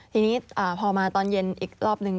ทีนี้พอมาตอนเย็นอีกรอบนึง